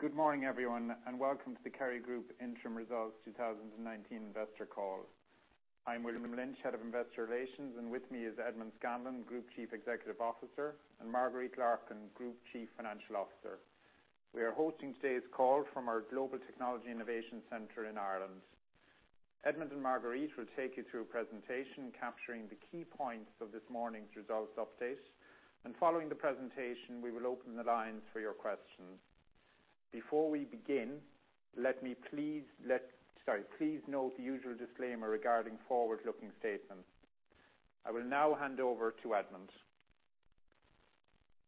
Good morning, everyone, and welcome to the Kerry Group Interim Results 2019 Investor Call. I'm William Lynch, Head of Investor Relations, and with me is Edmond Scanlon, Group Chief Executive Officer, and Marguerite Larkin, Group Chief Financial Officer. We are hosting today's call from our Global Technology Innovation Center in Ireland. Edmond and Marguerite will take you through a presentation capturing the key points of this morning's results update. Following the presentation, we will open the lines for your questions. Before we begin, please note the usual disclaimer regarding forward-looking statements. I will now hand over to Edmond.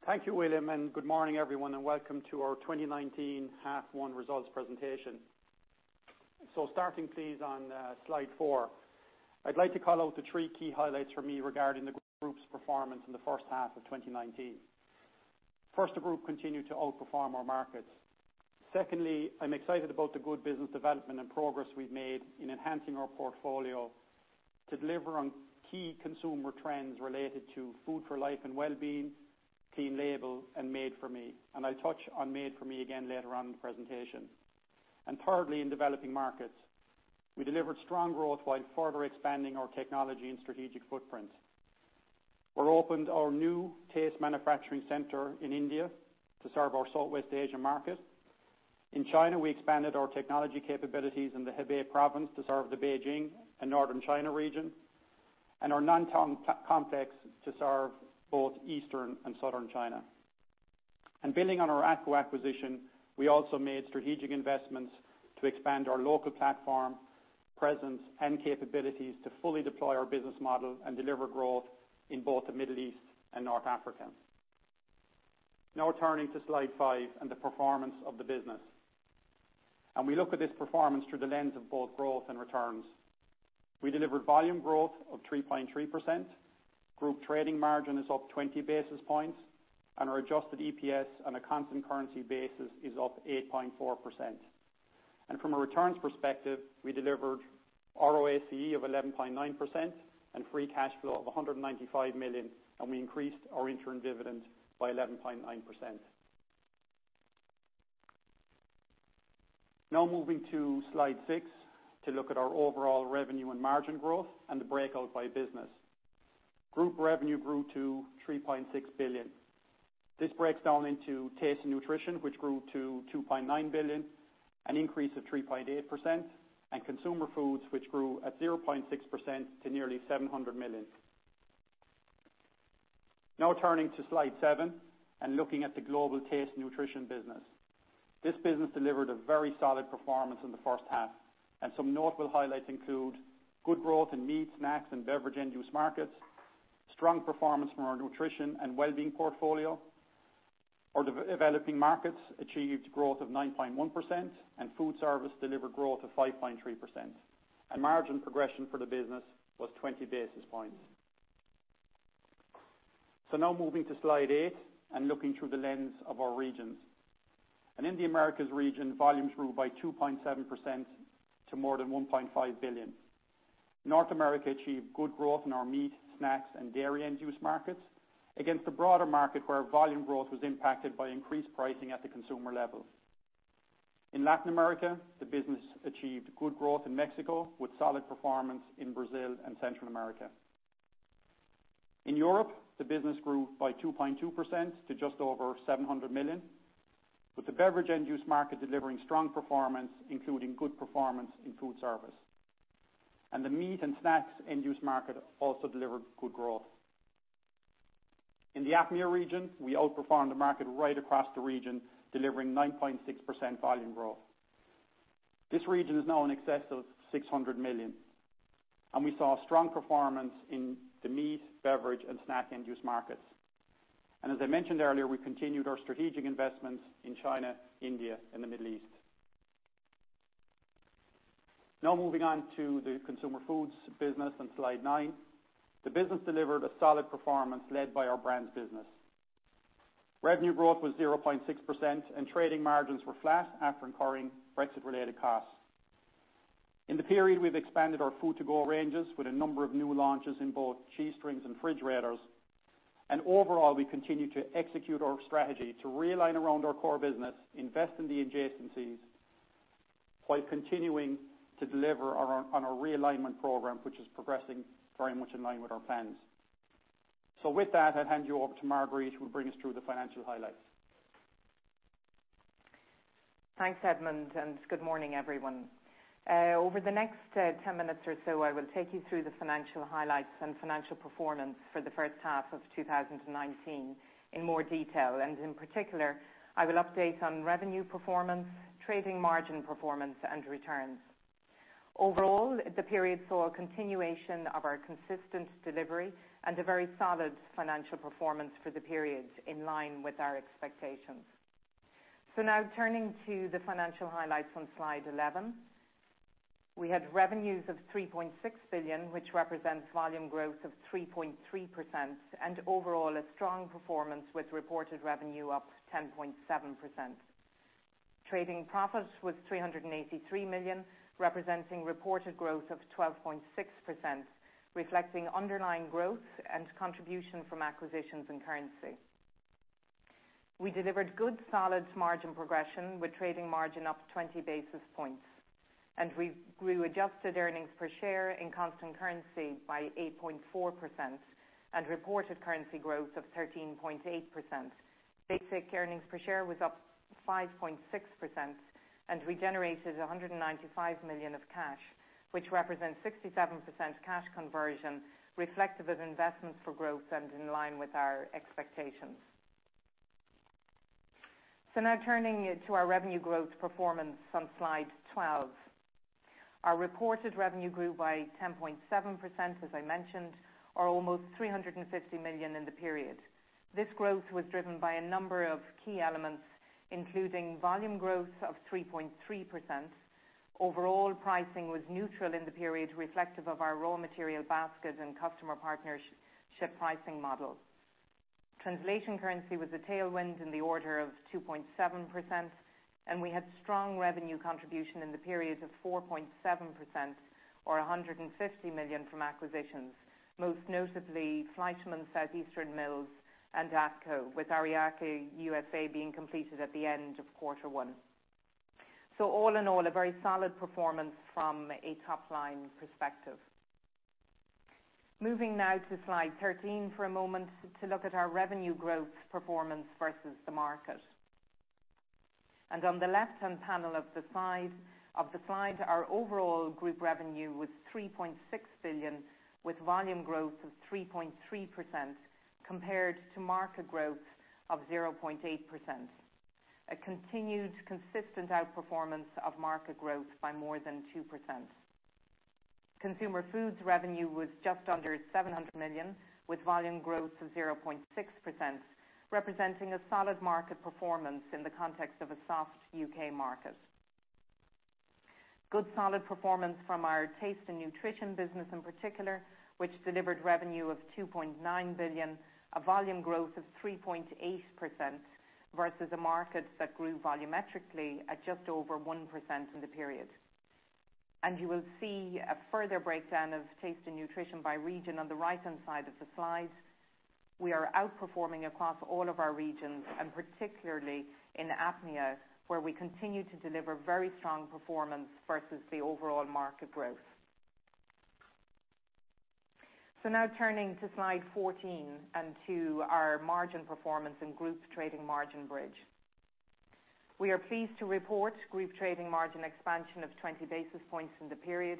Thank you, William, good morning, everyone, and welcome to our 2019 half one results presentation. Starting please on slide four, I'd like to call out the three key highlights for me regarding the group's performance in the first half of 2019. First, the group continued to outperform our markets. Secondly, I'm excited about the good business development and progress we've made in enhancing our portfolio to deliver on key consumer trends related to Food for Life and Wellbeing, Clean Label, and Made For Me, and I'll touch on Made For Me again later on in the presentation. Thirdly, in developing markets, we delivered strong growth while further expanding our technology and strategic footprint, where opened our new Taste manufacturing center in India to serve our Southeast Asian market. In China, we expanded our technology capabilities in the Hebei province to serve the Beijing and Northern China region, and our Nantong complex to serve both Eastern and Southern China. Building on our AATCO acquisition, we also made strategic investments to expand our local platform presence and capabilities to fully deploy our business model and deliver growth in both the Middle East and North Africa. Now turning to slide five and the performance of the business. We look at this performance through the lens of both growth and returns. We delivered volume growth of 3.3%, group trading margin is up 20 basis points, and our adjusted EPS on a constant currency basis is up 8.4%. From a returns perspective, we delivered ROACE of 11.9% and free cash flow of 195 million, and we increased our interim dividend by 11.9%. Moving to slide six to look at our overall revenue and margin growth and the breakout by business. Group revenue grew to 3.6 billion. This breaks down into Taste & Nutrition, which grew to 2.9 billion, an increase of 3.8%, and Consumer Foods, which grew at 0.6% to nearly 700 million. Turning to slide seven and looking at the global Taste Nutrition business. This business delivered a very solid performance in the first half, some notable highlights include good growth in meat, snacks, and beverage end-use markets, strong performance from our nutrition and wellbeing portfolio. Our developing markets achieved growth of 9.1%, food service delivered growth of 5.3%. Margin progression for the business was 20 basis points. Now moving to slide eight and looking through the lens of our regions. In the Americas region, volumes grew by 2.7% to more than 1.5 billion. North America achieved good growth in our meat, snacks, and dairy end-use markets against the broader market, where volume growth was impacted by increased pricing at the consumer level. In Latin America, the business achieved good growth in Mexico with solid performance in Brazil and Central America. In Europe, the business grew by 2.2% to just over 700 million, with the beverage end-use market delivering strong performance, including good performance in food service. The meat and snacks end-use market also delivered good growth. In the APMEA region, we outperformed the market right across the region, delivering 9.6% volume growth. This region is now in excess of 600 million, and we saw strong performance in the meat, beverage, and snack end-use markets. As I mentioned earlier, we continued our strategic investments in China, India, and the Middle East. Now moving on to the Consumer Foods business on slide nine. The business delivered a solid performance led by our brands business. Revenue growth was 0.6%, and trading margins were flat after incurring Brexit-related costs. In the period, we've expanded our Food-to-go ranges with a number of new launches in both Cheestrings and Fridge Raiders. Overall, we continue to execute our strategy to realign around our core business, invest in the adjacencies while continuing to deliver on our realignment program, which is progressing very much in line with our plans. With that, I'll hand you over to Marguerite, who will bring us through the financial highlights. Thanks, Edmond, good morning, everyone. Over the next 10 minutes or so, I will take you through the financial highlights and financial performance for the first half of 2019 in more detail. In particular, I will update on revenue performance, trading margin performance, and returns. Overall, the period saw a continuation of our consistent delivery and a very solid financial performance for the period in line with our expectations. Now turning to the financial highlights on slide 11. We had revenues of 3.6 billion, which represents volume growth of 3.3%, and overall a strong performance with reported revenue up 10.7%. Trading profit was 383 million, representing reported growth of 12.6%, reflecting underlying growth and contribution from acquisitions and currency. We delivered good solid margin progression with trading margin up 20 basis points. We grew adjusted earnings per share in constant currency by 8.4% and reported currency growth of 13.8%. Basic earnings per share was up 5.6%. We generated 195 million of cash, which represents 67% cash conversion, reflective of investments for growth and in line with our expectations. Now turning to our revenue growth performance on slide 12. Our reported revenue grew by 10.7%, as I mentioned, or almost 350 million in the period. This growth was driven by a number of key elements, including volume growth of 3.3%. Overall pricing was neutral in the period reflective of our raw material basket and customer partnership pricing models. Translation currency was a tailwind in the order of 2.7%, and we had strong revenue contribution in the period of 4.7% or 150 million from acquisitions, most notably Fleischmann, Southeastern Mills, and AATCO, with Ariake USA being completed at the end of quarter one. All in all, a very solid performance from a top-line perspective. Moving now to slide 13 for a moment to look at our revenue growth performance versus the market. On the left-hand panel of the slide, our overall group revenue was 3.6 billion with volume growth of 3.3% compared to market growth of 0.8%. A continued consistent outperformance of market growth by more than 2%. Consumer Foods revenue was just under 700 million, with volume growth of 0.6%, representing a solid market performance in the context of a soft U.K. market. Good solid performance from our Taste & Nutrition business in particular, which delivered revenue of 2.9 billion, a volume growth of 3.8% versus a market that grew volumetrically at just over 1% in the period. You will see a further breakdown of Taste & Nutrition by region on the right-hand side of the slide. We are outperforming across all of our regions and particularly in APMEA, where we continue to deliver very strong performance versus the overall market growth. Now turning to slide 14 and to our margin performance and group trading margin bridge. We are pleased to report group trading margin expansion of 20 basis points in the period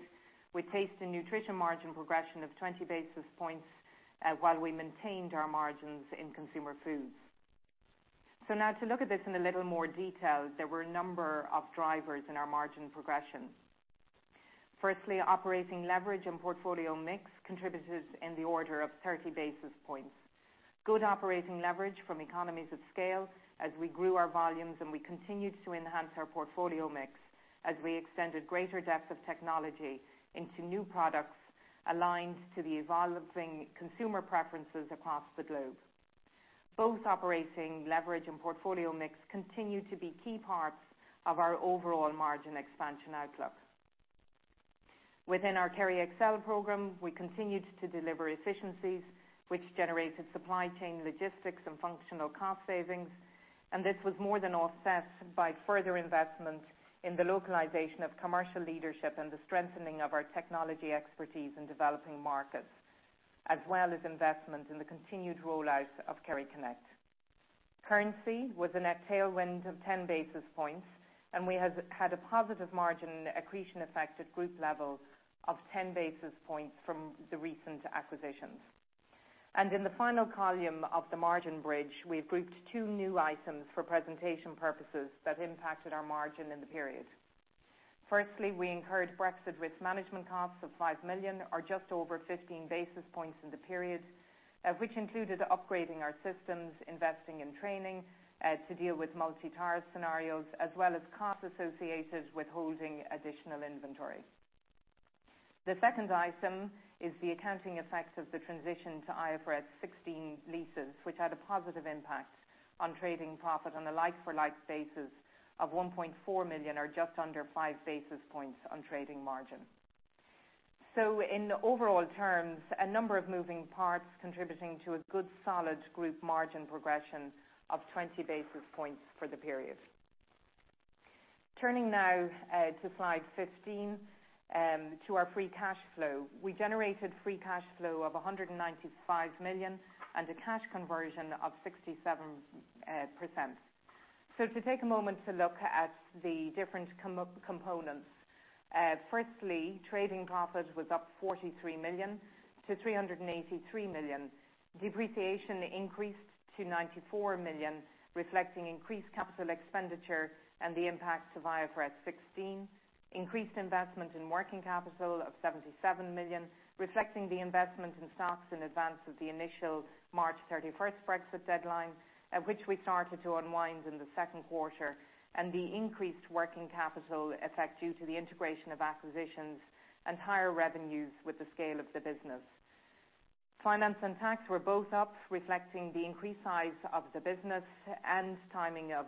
with Taste & Nutrition margin progression of 20 basis points, while we maintained our margins in Consumer Foods. Now to look at this in a little more detail, there were a number of drivers in our margin progression. Firstly, operating leverage and portfolio mix contributed in the order of 30 basis points. Good operating leverage from economies of scale as we grew our volumes and we continued to enhance our portfolio mix as we extended greater depth of technology into new products aligned to the evolving consumer preferences across the globe. Both operating leverage and portfolio mix continue to be key parts of our overall margin expansion outlook. Within our Kerry Excel program, we continued to deliver efficiencies, which generated supply chain logistics and functional cost savings, and this was more than offset by further investments in the localization of commercial leadership and the strengthening of our technology expertise in developing markets, as well as investment in the continued rollout of Kerry Connect. Currency was a net tailwind of 10 basis points. We had a positive margin accretion effect at group level of 10 basis points from the recent acquisitions. In the final column of the margin bridge, we've grouped two new items for presentation purposes that impacted our margin in the period. Firstly, we incurred Brexit risk management costs of 5 million or just over 15 basis points in the period, which included upgrading our systems, investing in training to deal with multi-tariff scenarios, as well as costs associated with holding additional inventory. The second item is the accounting effect of the transition to IFRS 16 leases, which had a positive impact on trading profit on a like-for-like basis of 1.4 million or just under five basis points on trading margin. In overall terms, a number of moving parts contributing to a good solid group margin progression of 20 basis points for the period. Turning now to slide 15, to our free cash flow. We generated free cash flow of 195 million and a cash conversion of 67%. To take a moment to look at the different components. Firstly, trading profit was up 43 million to 383 million. Depreciation increased to 94 million, reflecting increased capital expenditure and the impact of IFRS 16. Increased investment in working capital of 77 million, reflecting the investment in stocks in advance of the initial March 31st Brexit deadline, which we started to unwind in the second quarter, and the increased working capital effect due to the integration of acquisitions and higher revenues with the scale of the business. Finance and tax were both up, reflecting the increased size of the business and timing of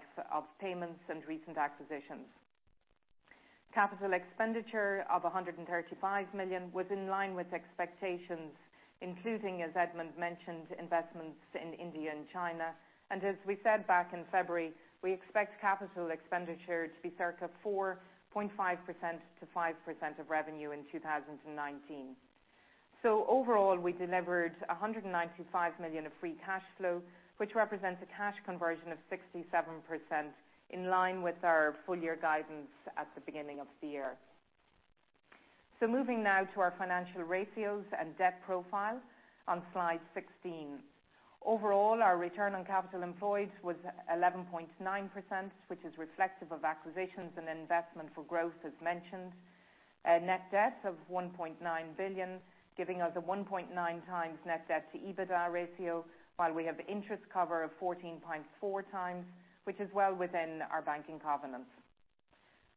payments and recent acquisitions. Capital expenditure of 135 million was in line with expectations, including, as Edmond mentioned, investments in India and China. As we said back in February, we expect capital expenditure to be circa 4.5%-5% of revenue in 2019. Overall, we delivered 195 million of free cash flow, which represents a cash conversion of 67%, in line with our full year guidance at the beginning of the year. Moving now to our financial ratios and debt profile on slide 16. Overall, our return on capital employed was 11.9%, which is reflective of acquisitions and investment for growth, as mentioned. Net debt of 1.9 billion, giving us a 1.9 times net debt to EBITDA ratio, while we have interest cover of 14.4 times, which is well within our banking covenants.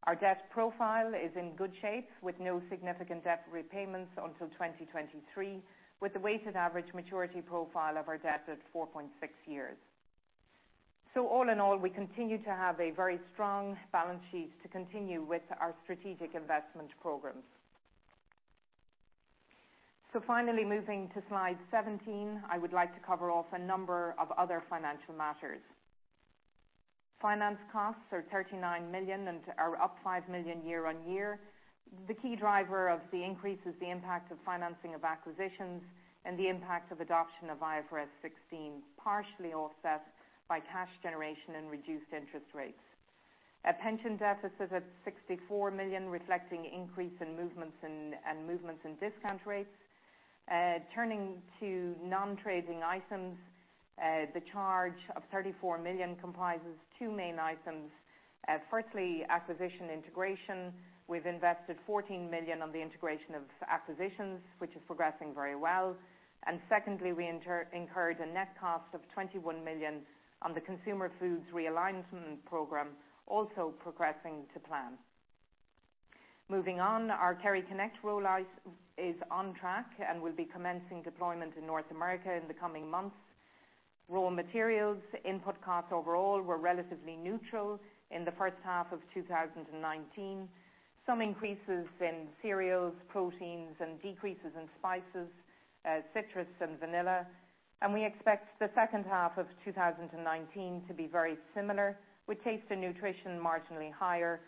Our debt profile is in good shape with no significant debt repayments until 2023, with the weighted average maturity profile of our debt at 4.6 years. All in all, we continue to have a very strong balance sheet to continue with our strategic investment programs. Finally moving to slide 17, I would like to cover off a number of other financial matters. Finance costs are 39 million and are up five million year-on-year. The key driver of the increase is the impact of financing of acquisitions and the impact of adoption of IFRS 16, partially offset by cash generation and reduced interest rates. Our pension deficit is at 64 million, reflecting increase and movements in discount rates. Turning to non-trading items, the charge of 34 million comprises two main items. Firstly, acquisition integration. We've invested 14 million on the integration of acquisitions, which is progressing very well. Secondly, we incurred a net cost of 21 million on the Consumer Foods realignment program, also progressing to plan. Moving on, our KerryConnect rollout is on track and will be commencing deployment in North America in the coming months. Raw materials input costs overall were relatively neutral in the first half of 2019. Some increases in cereals, proteins, and decreases in spices, citrus, and vanilla. We expect the second half of 2019 to be very similar, with Taste & Nutrition marginally higher.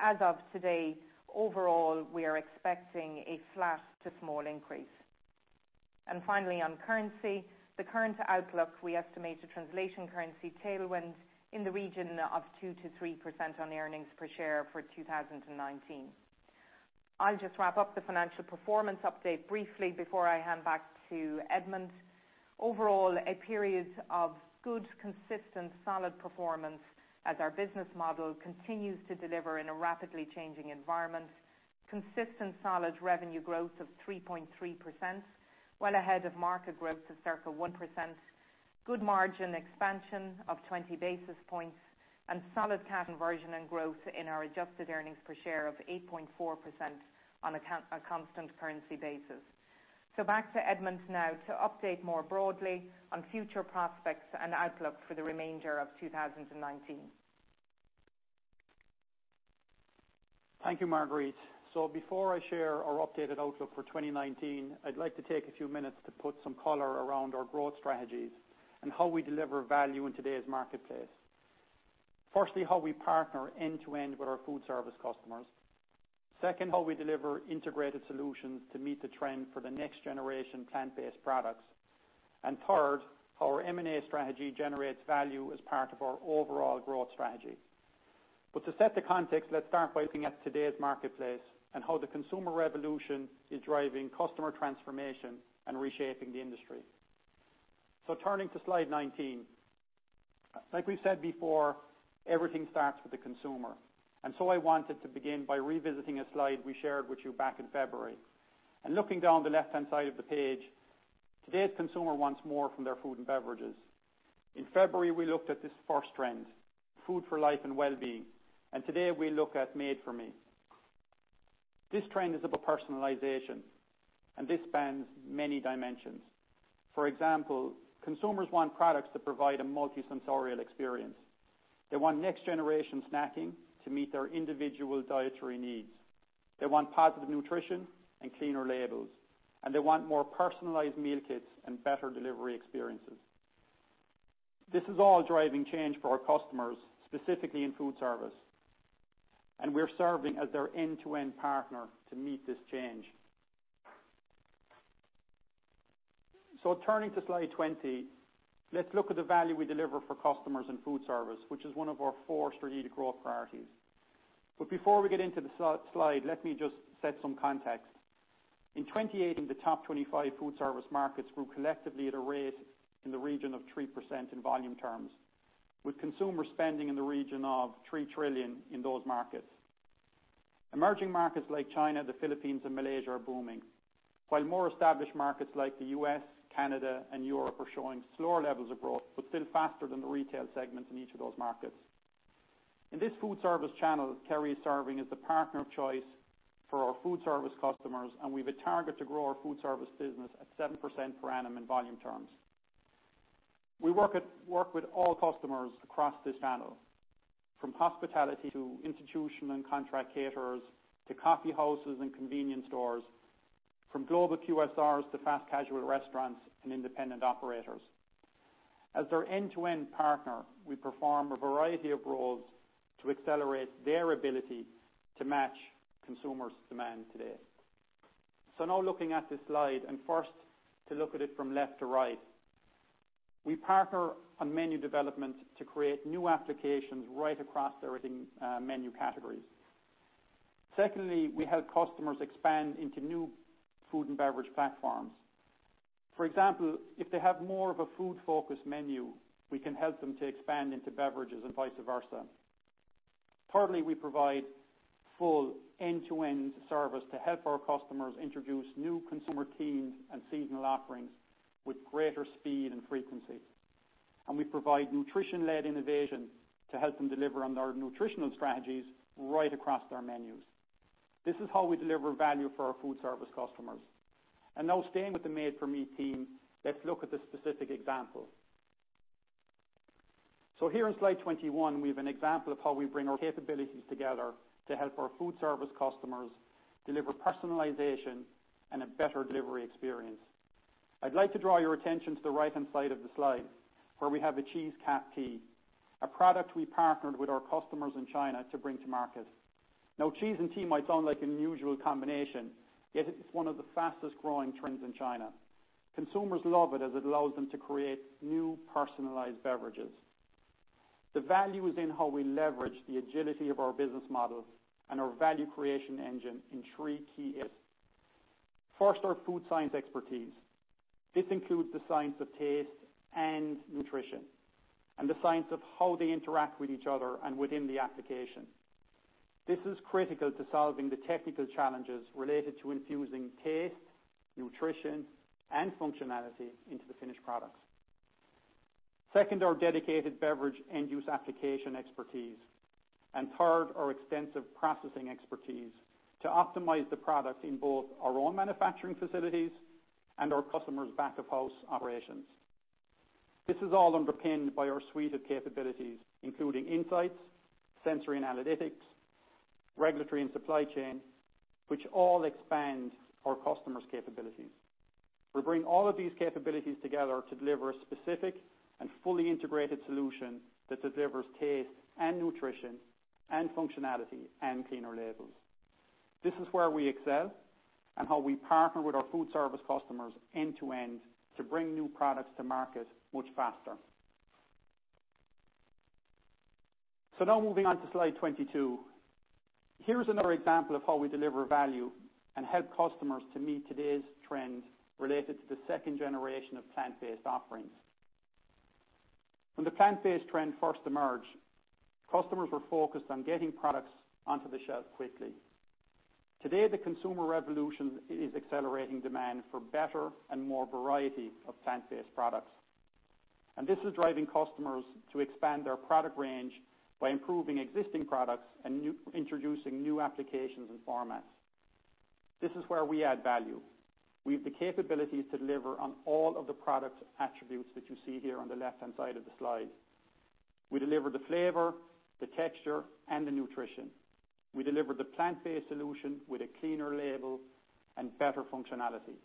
As of today, overall, we are expecting a flat to small increase. Finally, on currency, the current outlook, we estimate a translation currency tailwind in the region of 2%-3% on earnings per share for 2019. I'll just wrap up the financial performance update briefly before I hand back to Edmond. Overall, a period of good, consistent, solid performance as our business model continues to deliver in a rapidly changing environment. Consistent solid revenue growth of 3.3%, well ahead of market growth of circa 1%. Good margin expansion of 20 basis points and solid cash conversion and growth in our adjusted earnings per share of 8.4% on a constant currency basis. Back to Edmond now to update more broadly on future prospects and outlook for the remainder of 2019. Thank you, Marguerite. Before I share our updated outlook for 2019, I'd like to take a few minutes to put some color around our growth strategies and how we deliver value in today's marketplace. Secondly, how we partner end to end with our food service customers. Second, how we deliver integrated solutions to meet the trend for the next generation plant-based products. Third, how our M&A strategy generates value as part of our overall growth strategy. To set the context, let's start by looking at today's marketplace and how the consumer revolution is driving customer transformation and reshaping the industry. Turning to slide 19. Like we've said before, everything starts with the consumer. I wanted to begin by revisiting a slide we shared with you back in February. Looking down the left-hand side of the page, today's consumer wants more from their food and beverages. In February, we looked at this first trend, Food for Life and Wellbeing, and today we look at Made For Me. This trend is about personalization, and this spans many dimensions. For example, consumers want products that provide a multi-sensorial experience. They want next generation snacking to meet their individual dietary needs. They want positive nutrition and cleaner labels, and they want more personalized meal kits and better delivery experiences. This is all driving change for our customers, specifically in food service, and we're serving as their end-to-end partner to meet this change. Turning to slide 20, let's look at the value we deliver for customers in food service, which is one of our four strategic growth priorities. Before we get into the slide, let me just set some context. In 2018, the top 25 food service markets grew collectively at a rate in the region of 3% in volume terms, with consumer spending in the region of $3 trillion in those markets. Emerging markets like China, the Philippines, and Malaysia are booming. While more established markets like the U.S., Canada, and Europe are showing slower levels of growth, but still faster than the retail segments in each of those markets. In this food service channel, Kerry is serving as the partner of choice for our food service customers, and we've a target to grow our food service business at 7% per annum in volume terms. We work with all customers across this channel, from hospitality to institution and contract caterers, to coffee houses and convenience stores, from global QSRs to fast casual restaurants and independent operators. As their end-to-end partner, we perform a variety of roles to accelerate their ability to match consumers' demand today. Now looking at this slide, and first to look at it from left to right, we partner on menu development to create new applications right across everything menu categories. Secondly, we help customers expand into new food and beverage platforms. For example, if they have more of a food-focused menu, we can help them to expand into beverages and vice versa. Thirdly, we provide full end-to-end service to help our customers introduce new consumer themes and seasonal offerings with greater speed and frequency. We provide nutrition-led innovation to help them deliver on their nutritional strategies right across their menus. This is how we deliver value for our food service customers. Now staying with the Made For Me team, let's look at the specific example. Here in slide 21, we have an example of how we bring our capabilities together to help our food service customers deliver personalization and a better delivery experience. I'd like to draw your attention to the right-hand side of the slide, where we have a cheese cap tea, a product we partnered with our customers in China to bring to market. Cheese and tea might sound like an unusual combination, yet it's one of the fastest-growing trends in China. Consumers love it as it allows them to create new personalized beverages. The value is in how we leverage the agility of our business model and our value creation engine in three key areas. First, our food science expertise. This includes the science of Taste & Nutrition and the science of how they interact with each other and within the application. This is critical to solving the technical challenges related to infusing taste, nutrition, and functionality into the finished products. Second, our dedicated beverage end-use application expertise. Third, our extensive processing expertise to optimize the product in both our own manufacturing facilities and our customers' back-of-house operations. This is all underpinned by our suite of capabilities, including insights, sensory and analytics, regulatory, and supply chain, which all expand our customers' capabilities. We bring all of these capabilities together to deliver a specific and fully integrated solution that delivers taste and nutrition and functionality and cleaner labels. This is where we excel and how we partner with our food service customers end to end to bring new products to market much faster. Now moving on to slide 22. Here's another example of how we deliver value and help customers to meet today's trends related to the second generation of plant-based offerings. When the plant-based trend first emerged, customers were focused on getting products onto the shelf quickly. Today, the consumer revolution is accelerating demand for better and more variety of plant-based products. This is driving customers to expand their product range by improving existing products and introducing new applications and formats. This is where we add value. We have the capabilities to deliver on all of the product attributes that you see here on the left-hand side of the slide. We deliver the flavor, the texture, and the nutrition. We deliver the plant-based solution with a Clean Label and better functionality.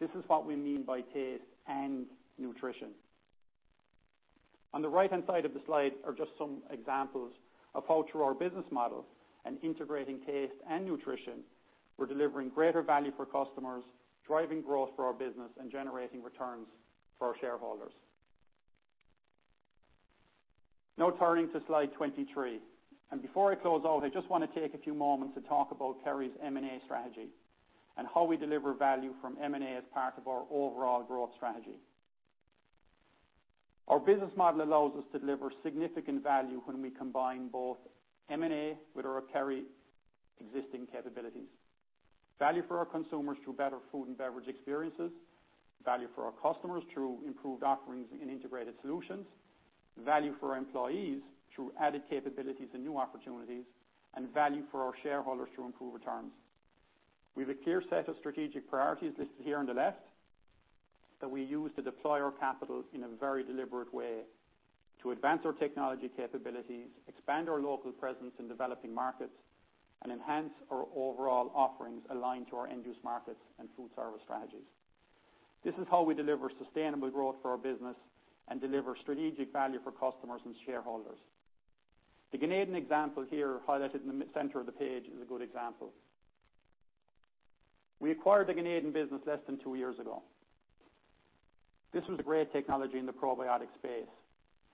This is what we mean by Taste & Nutrition. On the right-hand side of the slide are just some examples of how, through our business model and integrating Taste & Nutrition, we're delivering greater value for customers, driving growth for our business, and generating returns for our shareholders. Turning to slide 23. Before I close out, I just want to take a few moments to talk about Kerry's M&A strategy and how we deliver value from M&A as part of our overall growth strategy. Our business model allows us to deliver significant value when we combine both M&A with our Kerry existing capabilities. Value for our consumers through better food and beverage experiences, value for our customers through improved offerings and integrated solutions, value for our employees through added capabilities and new opportunities, and value for our shareholders through improved returns. We have a clear set of strategic priorities listed here on the left that we use to deploy our capital in a very deliberate way to advance our technology capabilities, expand our local presence in developing markets, and enhance our overall offerings aligned to our end-use markets and food service strategies. This is how we deliver sustainable growth for our business and deliver strategic value for customers and shareholders. The Ganeden example here highlighted in the center of the page is a good example. We acquired the Ganeden business less than two years ago. This was a great technology in the probiotic space,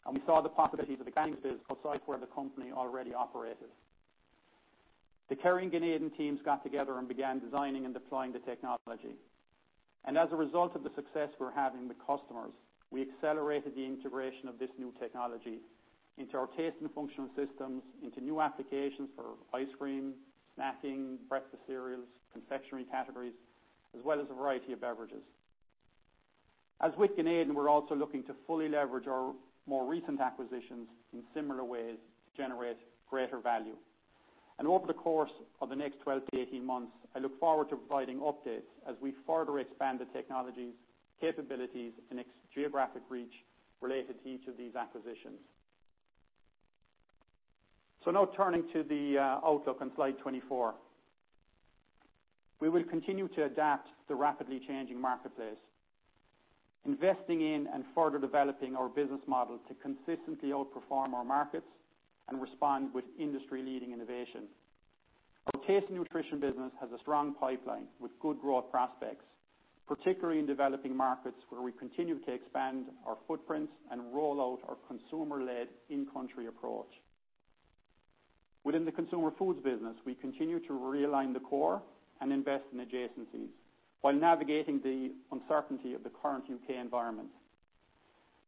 and we saw the possibility of expanding the business outside where the company already operated. The Kerry and Ganeden teams got together and began designing and deploying the technology. As a result of the success we're having with customers, we accelerated the integration of this new technology into our taste and functional systems, into new applications for ice cream, snacking, breakfast cereals, confectionery categories, as well as a variety of beverages. As with Ganeden, we're also looking to fully leverage our more recent acquisitions in similar ways to generate greater value. Over the course of the next 12-18 months, I look forward to providing updates as we further expand the technologies, capabilities, and geographic reach related to each of these acquisitions. Now turning to the outlook on slide 24. We will continue to adapt to the rapidly changing marketplace, investing in and further developing our business model to consistently outperform our markets and respond with industry-leading innovation. Our Taste & Nutrition business has a strong pipeline with good growth prospects, particularly in developing markets where we continue to expand our footprints and roll out our consumer-led in-country approach. Within the Consumer Foods business, we continue to realign the core and invest in adjacencies while navigating the uncertainty of the current U.K. environment.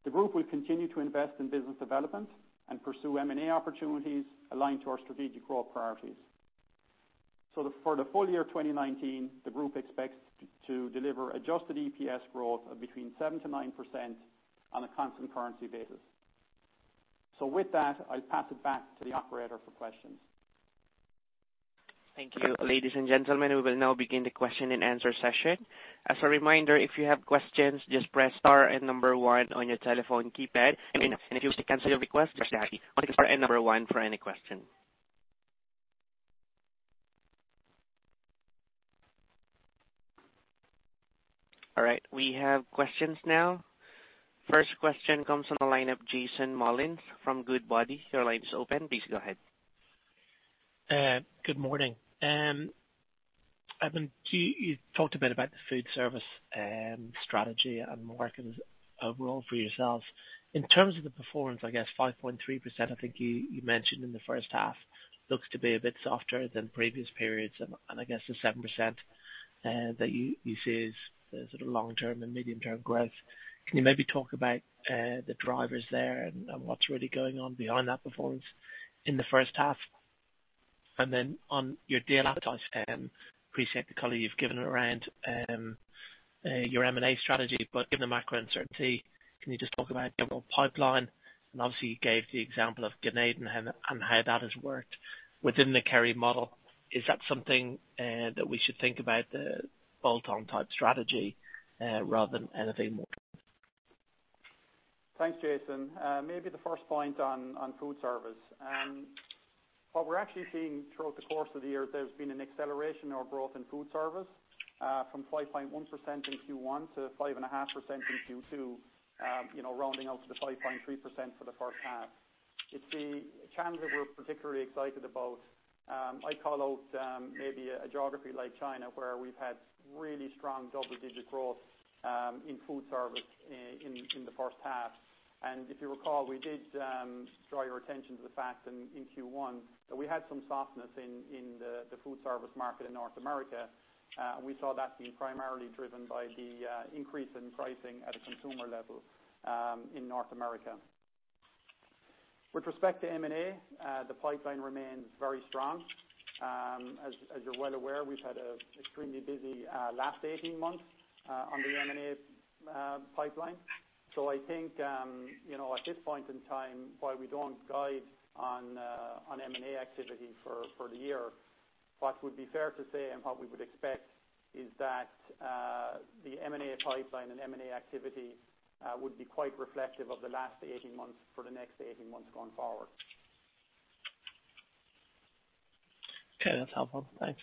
The group will continue to invest in business development and pursue M&A opportunities aligned to our strategic growth priorities. For the full year 2019, the group expects to deliver adjusted EPS growth of between 7%-9% on a constant currency basis. With that, I'll pass it back to the operator for questions. Thank you. Ladies and gentlemen, we will now begin the question and answer session. As a reminder, if you have questions, just press star and one on your telephone keypad. If you wish to cancel your request, just press hash. Press star and one for any question. All right. We have questions now. First question comes on the line of Jason Molins from Goodbody. Your line is open. Please go ahead. Good morning. Edmond, you talked a bit about the food service strategy and market overall for yourselves. In terms of the performance, I guess 5.3%, I think you mentioned in the first half, looks to be a bit softer than previous periods. I guess the 7% that you see is the sort of long term and medium term growth. Can you maybe talk about the drivers there and what's really going on behind that performance in the first half? On your deal appetite, I appreciate the color you've given around your M&A strategy, but given the macro uncertainty, can you just talk about your overall pipeline? Obviously you gave the example of Ganeden and how that has worked within the Kerry model. Is that something that we should think about the bolt-on type strategy rather than anything more? Thanks, Jason. Maybe the first point on food service. What we're actually seeing throughout the course of the year is there's been an acceleration of growth in food service from 5.1% in Q1 to 5.5% in Q2, rounding out to the 5.3% for the first half. It's the channels that we're particularly excited about. I call out maybe a geography like China, where we've had really strong double-digit growth in food service in the first half. If you recall, we did draw your attention to the fact in Q1 that we had some softness in the food service market in North America. We saw that being primarily driven by the increase in pricing at a consumer level in North America. With respect to M&A, the pipeline remains very strong. As you're well aware, we've had an extremely busy last 18 months on the M&A pipeline. I think at this point in time, while we don't guide on M&A activity for the year, what would be fair to say and what we would expect is that the M&A pipeline and M&A activity would be quite reflective of the last 18 months for the next 18 months going forward. Okay, that's helpful. Thanks.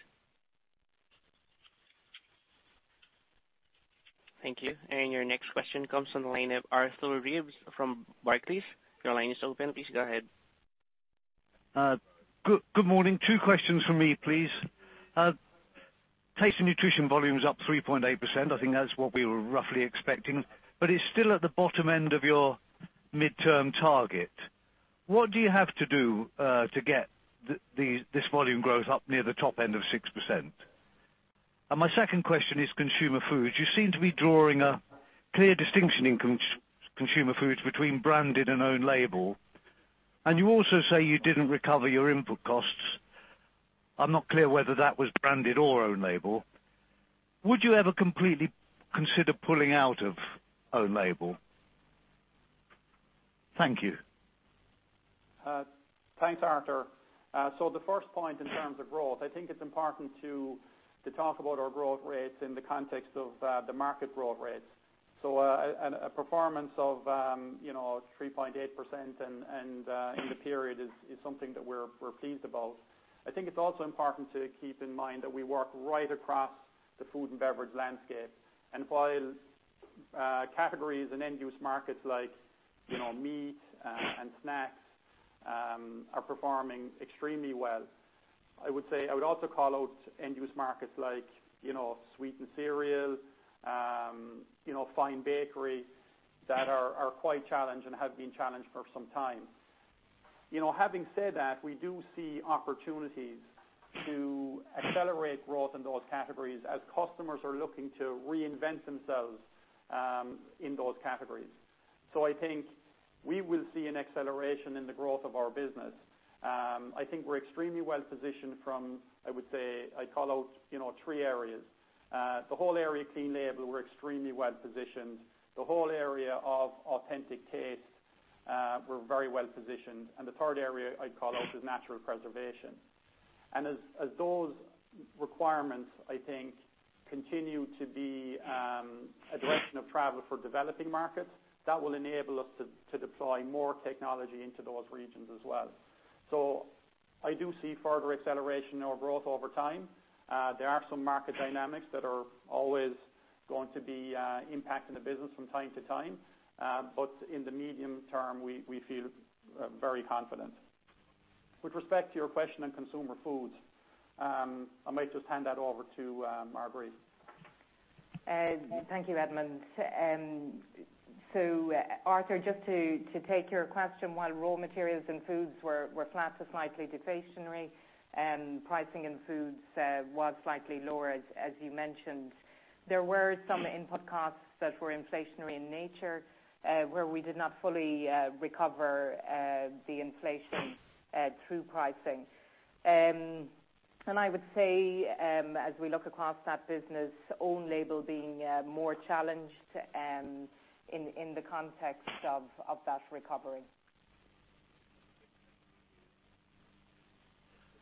Thank you. Your next question comes on the line of Arthur Reeves from Barclays. Your line is open. Please go ahead. Good morning. Two questions from me, please. Taste & Nutrition volume's up 3.8%. I think that's what we were roughly expecting, but it's still at the bottom end of your midterm target. What do you have to do to get this volume growth up near the top end of 6%? My second question is Consumer Foods. You seem to be drawing a clear distinction in Consumer Foods between branded and own label, and you also say you didn't recover your input costs. I'm not clear whether that was branded or own label. Would you ever completely consider pulling out of own label? Thank you. Thanks, Arthur. The first point in terms of growth, I think it's important to talk about our growth rates in the context of the market growth rates. A performance of 3.8% in the period is something that we're pleased about. I think it's also important to keep in mind that we work right across the food and beverage landscape. While categories and end-use markets like meat and snacks are performing extremely well, I would also call out end-use markets like sweetened cereal, fine bakery, that are quite challenged and have been challenged for some time. Having said that, we do see opportunities to accelerate growth in those categories as customers are looking to reinvent themselves in those categories. I think we will see an acceleration in the growth of our business. I think we're extremely well-positioned from, I call out three areas. The whole area of Clean Label, we're extremely well-positioned. The whole area of authentic taste, we're very well-positioned. The third area I'd call out is natural preservation. As those requirements, I think, continue to be a direction of travel for developing markets, that will enable us to deploy more technology into those regions as well. I do see further acceleration of growth over time. There are some market dynamics that are always going to be impacting the business from time to time. In the medium term, we feel very confident. With respect to your question on Consumer Foods, I might just hand that over to Marguerite. Thank you, Edmond. Arthur, just to take your question, while raw materials and foods were flat to slightly deflationary, pricing in foods was slightly lower, as you mentioned. There were some input costs that were inflationary in nature, where we did not fully recover the inflation through pricing. I would say, as we look across that business, own label being more challenged in the context of that recovery.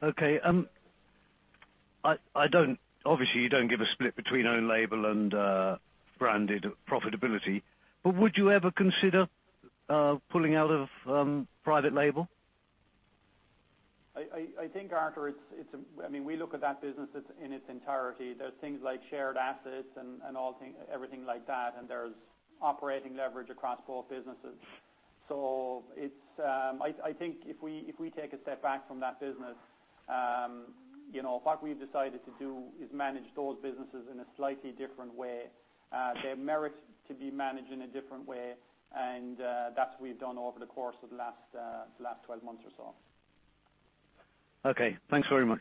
Okay. Obviously, you don't give a split between own label and branded profitability, but would you ever consider pulling out of private label? I think, Arthur, we look at that business in its entirety. There's things like shared assets and everything like that, and there's operating leverage across both businesses. I think if we take a step back from that business, what we've decided to do is manage those businesses in a slightly different way. They merit to be managed in a different way, and that's what we've done over the course of the last 12 months or so. Okay, thanks very much.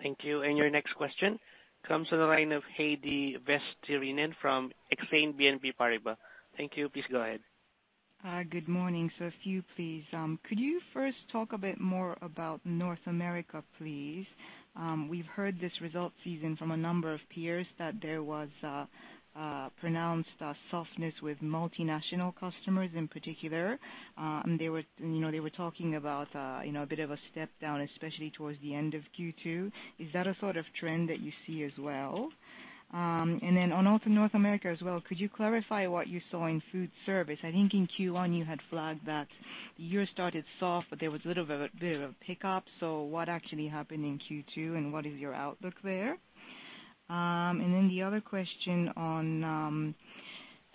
Thank you. Your next question comes to the line of Heidi Vesterinen from Exane BNP Paribas. Thank you. Please go ahead. Good morning. A few, please. Could you first talk a bit more about North America, please? We've heard this result season from a number of peers that there was a pronounced softness with multinational customers in particular. They were talking about a bit of a step down, especially towards the end of Q2. Is that a sort of trend that you see as well? On North America as well, could you clarify what you saw in food service? I think in Q1 you had flagged that year started soft, but there was a little bit of a pickup. What actually happened in Q2, and what is your outlook there? The other question on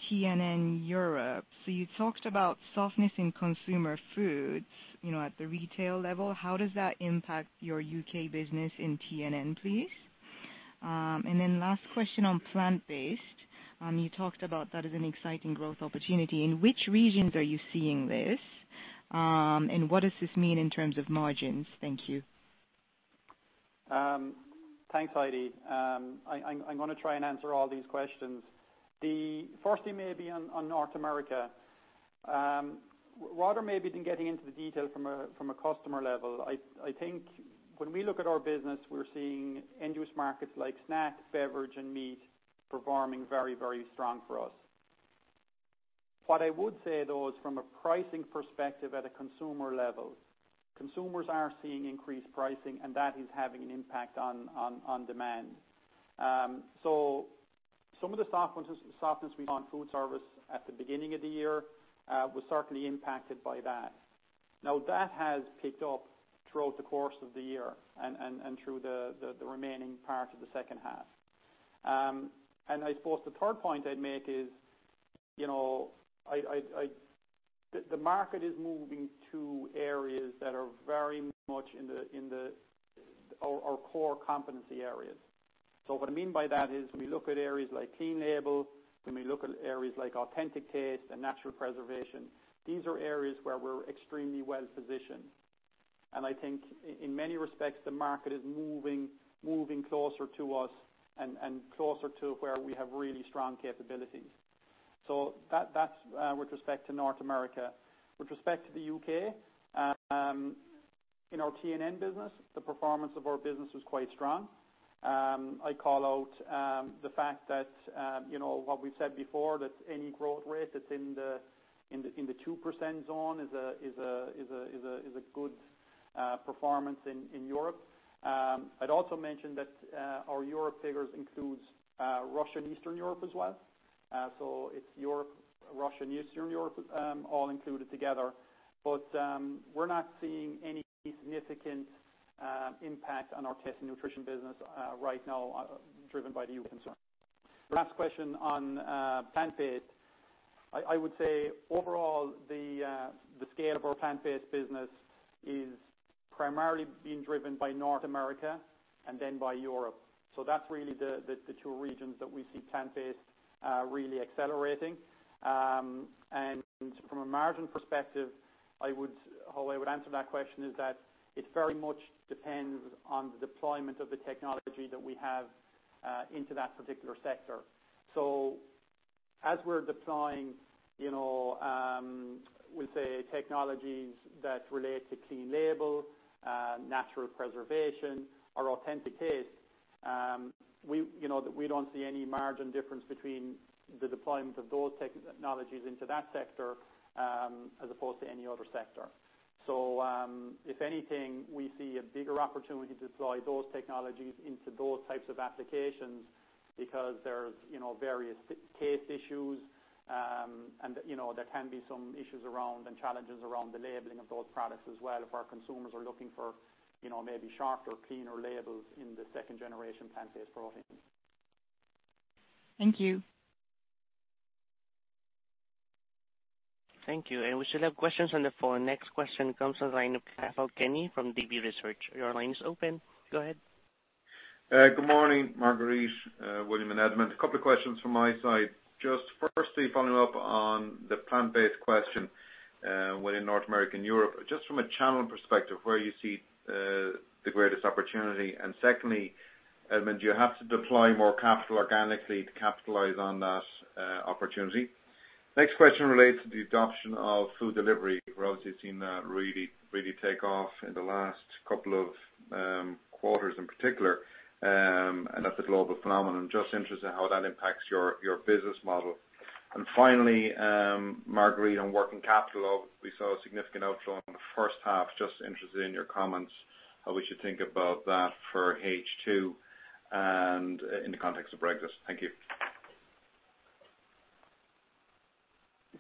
T&N Europe. You talked about softness in Consumer Foods at the retail level. How does that impact your U.K. business in T&N, please? Last question on plant-based. You talked about that as an exciting growth opportunity. In which regions are you seeing this, and what does this mean in terms of margins? Thank you. Thanks, Heidi. I'm going to try and answer all these questions. The first thing maybe on North America. Rather maybe than getting into the detail from a customer level, I think when we look at our business, we're seeing end-use markets like snack, beverage, and meat performing very strong for us. What I would say, though, is from a pricing perspective at a consumer level, consumers are seeing increased pricing, and that is having an impact on demand. Some of the softness we saw in food service at the beginning of the year was certainly impacted by that. That has picked up throughout the course of the year and through the remaining part of the second half. I suppose the third point I'd make is, the market is moving to areas that are very much in our core competency areas. What I mean by that is, when we look at areas like Clean Label, when we look at areas like authentic taste and natural preservation, these are areas where we're extremely well-positioned. I think in many respects, the market is moving closer to us and closer to where we have really strong capabilities. That's with respect to North America. With respect to the U.K., in our T&N business, the performance of our business was quite strong. I call out the fact that what we've said before, that any growth rate that's in the 2% zone is a good performance in Europe. I'd also mention that our Europe figures includes Russia and Eastern Europe as well. It's Europe, Russia, and Eastern Europe all included together. We're not seeing any significant impact on our Taste & Nutrition business right now driven by the EU concern. The last question on plant-based, I would say overall, the scale of our plant-based business is primarily being driven by North America and then by Europe. That's really the two regions that we see plant-based really accelerating. From a margin perspective, how I would answer that question is that it very much depends on the deployment of the technology that we have into that particular sector. As we're deploying, we'll say technologies that relate to Clean Label, natural preservation or authentic taste, we don't see any margin difference between the deployment of those technologies into that sector, as opposed to any other sector. If anything, we see a bigger opportunity to deploy those technologies into those types of applications because there's various taste issues, and there can be some issues around and challenges around the labeling of those products as well if our consumers are looking for maybe sharper, cleaner labels in the 2nd generation plant-based protein. Thank you. Thank you. We still have questions on the phone. Next question comes on the line of Cathal Kenny from Davy Research. Your line is open. Go ahead. Good morning, Marguerite, William, and Edmond. A couple of questions from my side. Just firstly, following up on the plant-based question within North America and Europe, just from a channel perspective, where you see the greatest opportunity? Secondly, Edmond, do you have to deploy more capital organically to capitalize on that opportunity? Next question relates to the adoption of food delivery. For us, we've seen that really take off in the last couple of quarters in particular, and that's a global phenomenon. Just interested in how that impacts your business model. Finally, Marguerite, on working capital, we saw a significant outflow in the first half. Just interested in your comments, how we should think about that for H2, and in the context of Brexit. Thank you.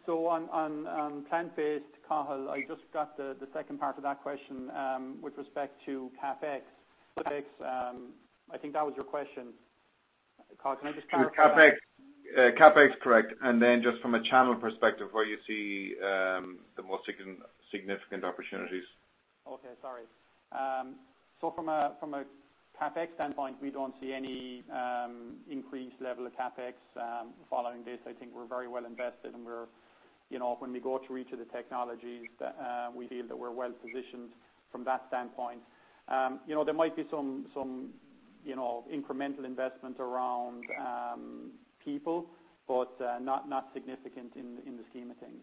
On plant-based, Cathal, I just got the second part of that question, with respect to CapEx. I think that was your question. Cathal, can I just clarify? Sure. CapEx, correct. Just from a channel perspective, where you see the most significant opportunities? Okay. Sorry. From a CapEx standpoint, we don't see any increased level of CapEx following this. I think we're very well invested. When we go through each of the technologies, we feel that we're well positioned from that standpoint. There might be some incremental investment around people, but not significant in the scheme of things.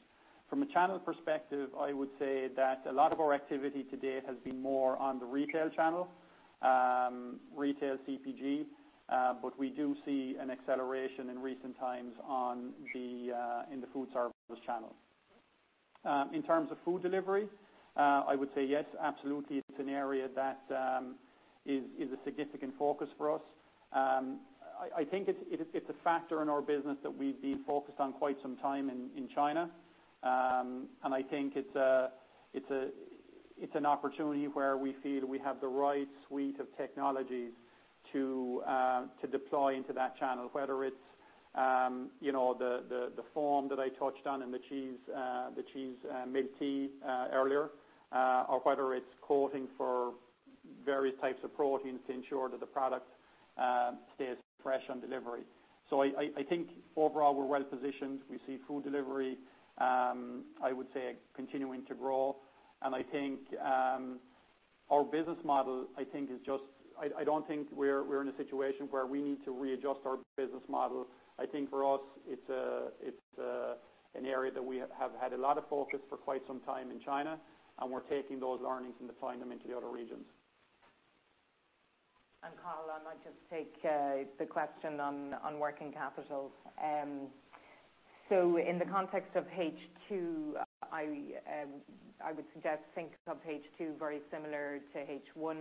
From a channel perspective, I would say that a lot of our activity to date has been more on the retail channel, retail CPG, but we do see an acceleration in recent times in the food service channel. In terms of food delivery, I would say yes, absolutely. It's an area that is a significant focus for us. I think it's a factor in our business that we've been focused on quite some time in China. I think it's an opportunity where we feel we have the right suite of technologies to deploy into that channel, whether it's the form that I touched on in the cheese milk tea earlier, or whether it's coating for various types of proteins to ensure that the product stays fresh on delivery. I think overall we're well positioned. We see food delivery, I would say, continuing to grow. I don't think we're in a situation where we need to readjust our business model. I think for us, it's an area that we have had a lot of focus for quite some time in China, and we're taking those learnings and deploying them into the other regions. Cathal, I might just take the question on working capital. In the context of H2, I would suggest think of H2 very similar to H1.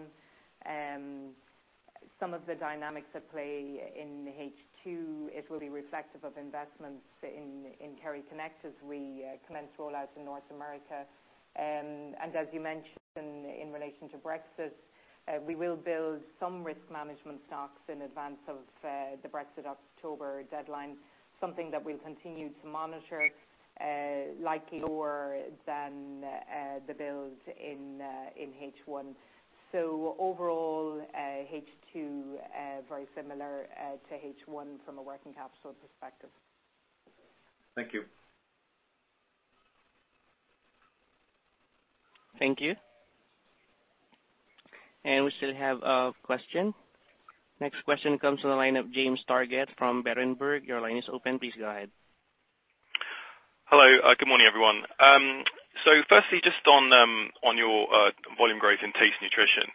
Some of the dynamics at play in H2, it will be reflective of investments in KerryConnect as we commence rollouts in North America. As you mentioned in relation to Brexit, we will build some risk management stocks in advance of the Brexit October deadline, something that we'll continue to monitor, likely lower than the build in H1. Overall, H2, very similar to H1 from a working capital perspective. Thank you. Thank you. We still have a question. Next question comes from the line of James Targett from Berenberg. Your line is open. Please go ahead. Hello. Good morning, everyone. Firstly, just on your volume growth in Taste Nutrition.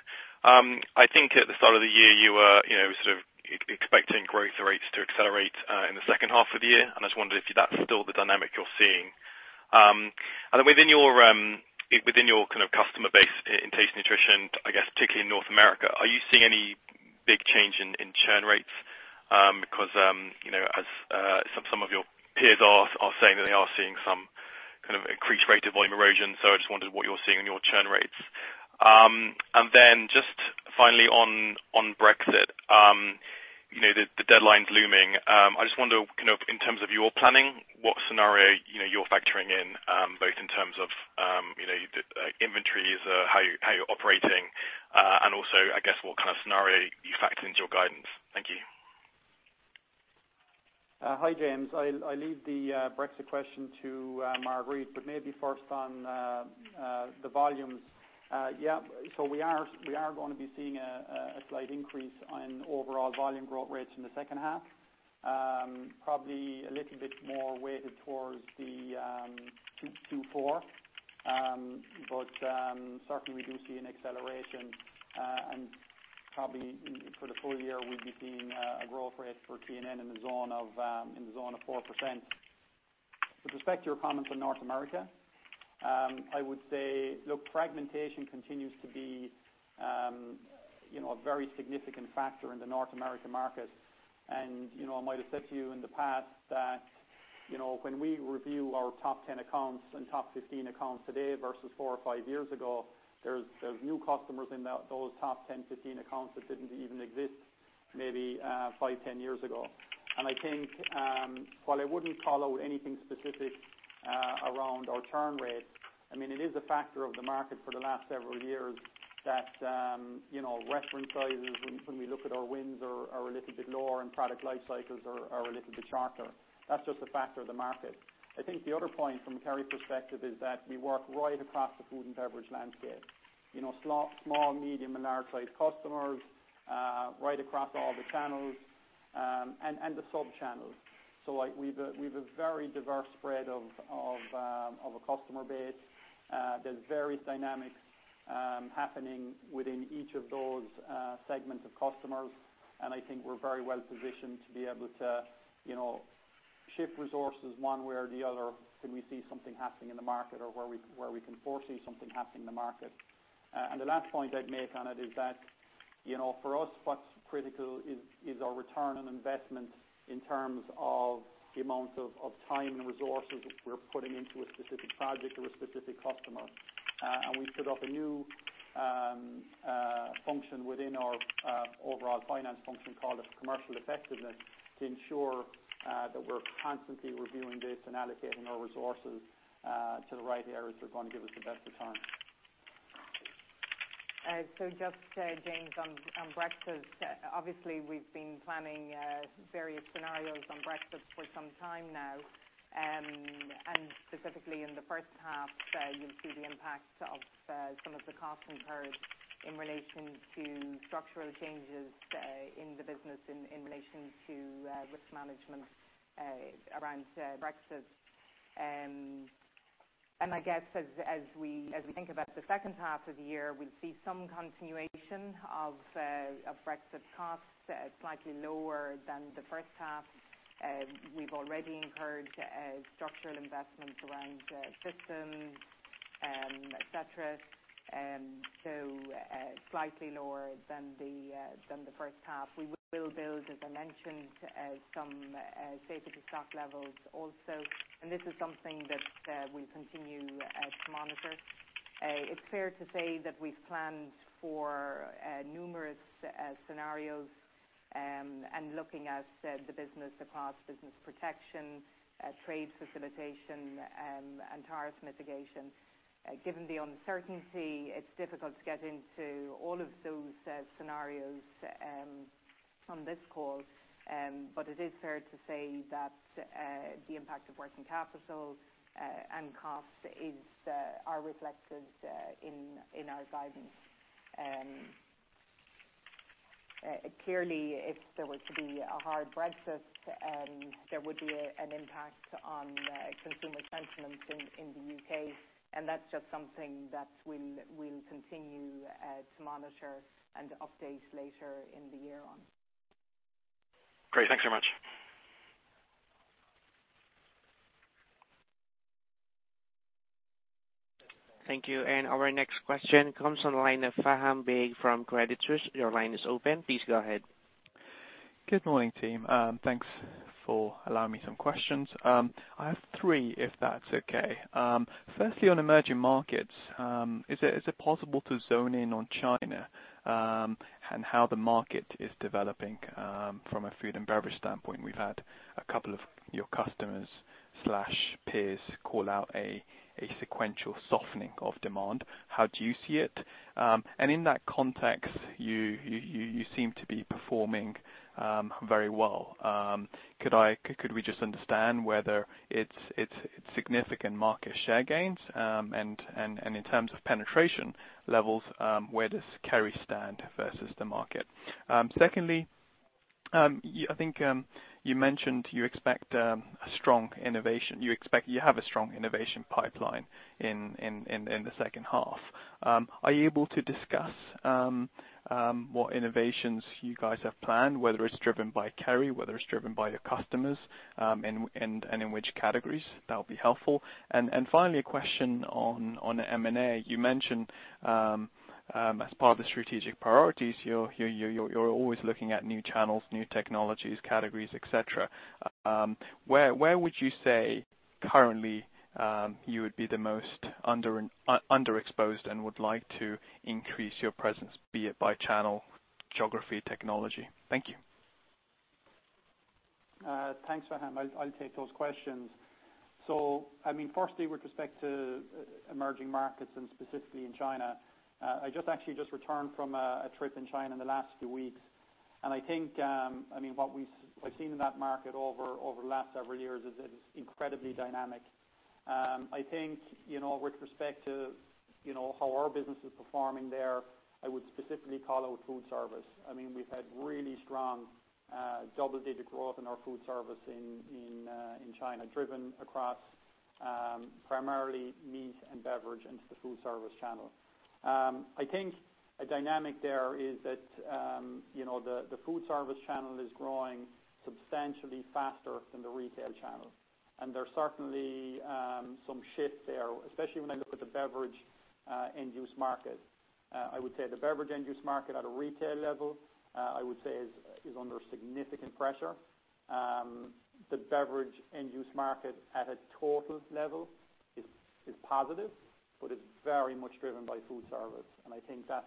I think at the start of the year, you were sort of expecting growth rates to accelerate in the second half of the year. I'm just wondering if that's still the dynamic you're seeing. Within your kind of customer base in Taste Nutrition, I guess particularly in North America, are you seeing any big change in churn rates? Because as some of your peers are saying that they are seeing some kind of increased rate of volume erosion. I just wondered what you're seeing in your churn rates. Then just finally on Brexit, the deadline's looming. I just wonder, in terms of your planning, what scenario you're factoring in, both in terms of inventories, how you're operating, and also, I guess, what kind of scenario you factor into your guidance. Thank you. Hi, James. I leave the Brexit question to Marguerite, maybe first on the volumes. We are going to be seeing a slight increase in overall volume growth rates in the second half. Probably a little bit more weighted towards the Q4. Certainly, we do see an acceleration, and probably for the full year, we'd be seeing a growth rate for T&N in the zone of 4%. With respect to your comments on North America, I would say, look, fragmentation continues to be a very significant factor in the North American market. I might have said to you in the past that when we review our top 10 accounts and top 15 accounts today versus four or five years ago, there's new customers in those top 10, 15 accounts that didn't even exist maybe five, 10 years ago. I think, while I wouldn't call out anything specific around our churn rates, it is a factor of the market for the last several years that reference sizes when we look at our wins are a little bit lower and product life cycles are a little bit shorter. That's just a factor of the market. I think the other point from Kerry perspective is that we work right across the food and beverage landscape. Small, medium, and large-sized customers, right across all the channels, and the sub-channels. We've a very diverse spread of a customer base. There's various dynamics happening within each of those segments of customers, and I think we're very well positioned to be able to shift resources one way or the other when we see something happening in the market or where we can foresee something happening in the market. The last point I'd make on it is that, for us, what's critical is our return on investment in terms of the amount of time and resources we're putting into a specific project or a specific customer. We've set up a new function within our overall finance function called Commercial Effectiveness to ensure that we're constantly reviewing this and allocating our resources to the right areas that are going to give us the best return. Just, James, on Brexit. Obviously, we've been planning various scenarios on Brexit for some time now, and specifically in the first half, you'll see the impact of some of the costs incurred in relation to structural changes in the business in relation to risk management around Brexit. I guess as we think about the second half of the year, we'd see some continuation of Brexit costs, slightly lower than the first half. We've already incurred structural investments around systems, et cetera. Slightly lower than the first half. We will build, as I mentioned, some safety stock levels also, and this is something that we'll continue to monitor. It's fair to say that we've planned for numerous scenarios and looking at the business across business protection, trade facilitation, and tariff mitigation. Given the uncertainty, it's difficult to get into all of those scenarios on this call. It is fair to say that the impact of working capital and costs are reflected in our guidance. Clearly, if there were to be a hard Brexit, there would be an impact on consumer sentiment in the U.K., and that's just something that we'll continue to monitor and update later in the year on. Great. Thanks so much. Thank you. Our next question comes on the line of Faham Baig from Credit Suisse. Your line is open. Please go ahead. Good morning, team. Thanks for allowing me some questions. I have three, if that's okay. Firstly, on emerging markets, is it possible to zone in on China and how the market is developing from a food and beverage standpoint? We've had a couple of your customers/peers call out a sequential softening of demand. How do you see it? In that context, you seem to be performing very well. Could we just understand whether it's significant market share gains? In terms of penetration levels, where does Kerry stand versus the market? Secondly, I think you mentioned you have a strong innovation pipeline in the second half. Are you able to discuss what innovations you guys have planned, whether it's driven by Kerry, whether it's driven by your customers, and in which categories? That would be helpful. Finally, a question on M&A. You mentioned as part of the strategic priorities, you are always looking at new channels, new technologies, categories, et cetera. Where would you say currently you would be the most underexposed and would like to increase your presence, be it by channel, geography, technology? Thank you. Thanks, Faham. I'll take those questions. Firstly, with respect to emerging markets and specifically in China, I just actually returned from a trip in China in the last few weeks. I think what we've seen in that market over the last several years is it is incredibly dynamic. I think with respect to how our business is performing there, I would specifically call out food service. We've had really strong double-digit growth in our food service in China, driven across primarily meat and beverage into the food service channel. I think a dynamic there is that the food service channel is growing substantially faster than the retail channel. There's certainly some shift there, especially when I look at the beverage end-use market. I would say the beverage end-use market at a retail level, I would say is under significant pressure. The beverage end-use market at a total level is positive, but is very much driven by food service. I think that's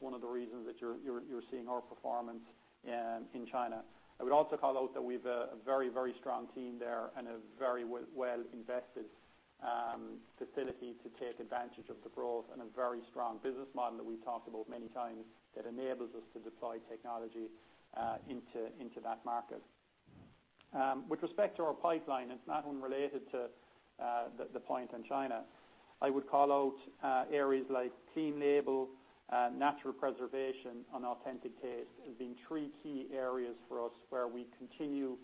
one of the reasons that you're seeing our performance in China. I would also call out that we've a very strong team there and a very well-invested facility to take advantage of the growth and a very strong business model that we've talked about many times that enables us to deploy technology into that market. With respect to our pipeline, it's not unrelated to the point in China. I would call out areas like Clean Label, natural preservation, and authentic taste as being three key areas for us where we continue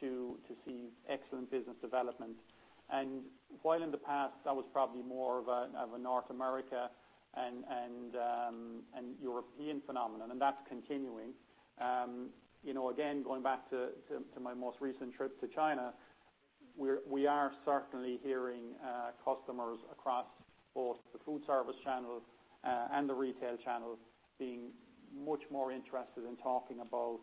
to see excellent business development. While in the past, that was probably more of a North America and European phenomenon, and that's continuing. Going back to my most recent trip to China, we are certainly hearing customers across both the food service channel and the retail channel being much more interested in talking about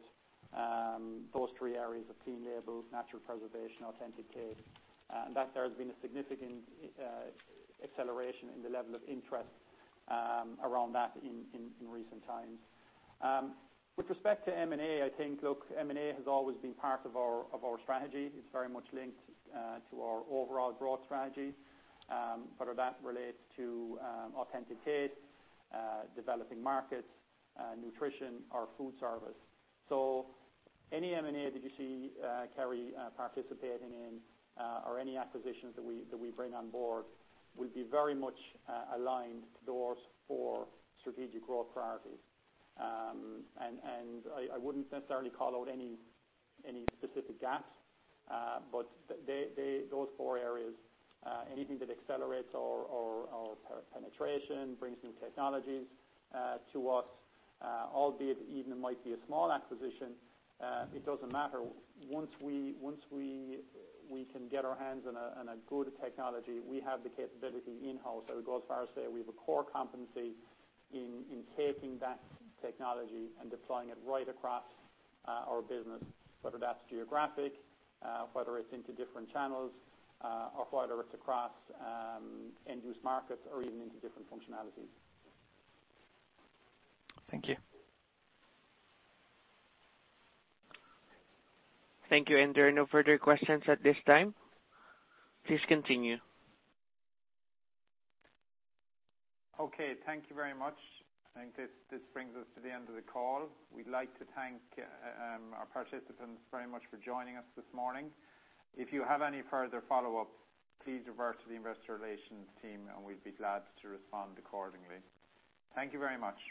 those three areas of clean label, natural preservation, authentic taste. There has been a significant acceleration in the level of interest around that in recent times. With respect to M&A, I think, look, M&A has always been part of our strategy. It's very much linked to our overall growth strategy, whether that relates to authentic taste, developing markets, nutrition, or food service. Any M&A that you see Kerry participating in or any acquisitions that we bring on board will be very much aligned towards four strategic growth priorities. I wouldn't necessarily call out any specific gaps. Those four areas anything that accelerates our penetration, brings new technologies to us, albeit even might be a small acquisition it doesn't matter. Once we can get our hands on a good technology, we have the capability in-house. I would go as far as to say we have a core competency in taking that technology and deploying it right across our business, whether that's geographic, whether it's into different channels or whether it's across end-use markets or even into different functionalities. Thank you. Thank you. There are no further questions at this time. Please continue. Okay, thank you very much. I think this brings us to the end of the call. We'd like to thank our participants very much for joining us this morning. If you have any further follow-up, please refer to the investor relations team, and we'd be glad to respond accordingly. Thank you very much.